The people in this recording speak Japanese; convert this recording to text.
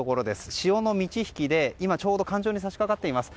潮の満ち引きで、今ちょうど干潮に差し掛かっています。